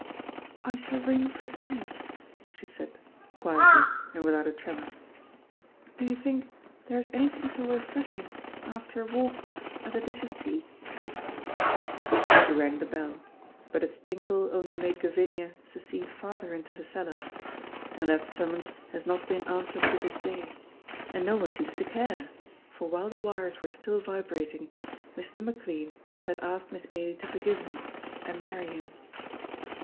"I shall ring for tea," she said, quietly and without a tremor; "do you think there is anything so refreshing after a walk as a dish of tea?" She rang the bell, but its tinkle only made Gavinia secede farther into the cellar, and that summons has not been answered to this day, and no one seems to care, for while the wires were still vibrating Mr. McLean had asked Miss Ailie to forgive him and marry him.